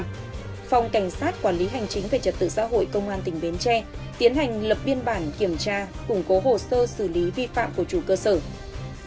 phòng cảnh sát quản lý hành chính về trật tự xã hội công an tỉnh bến tre tiến hành lập biên bản kiểm tra củng cố hồ sơ xử lý vi phạm của chủ cơ sở